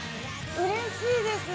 うれしいです。